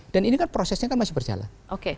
dan ini kan prosesnya masih berjalan